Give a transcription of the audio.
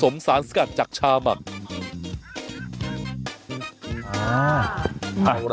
มันมาก